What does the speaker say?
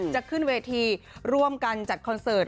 จะขึ้นเวทีร่วมกันจัดคอนเสิร์ต